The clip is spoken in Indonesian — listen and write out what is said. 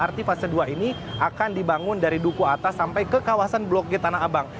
lrt fase dua ini akan dibangun dari duku atas sampai ke kawasan blok g tanah abang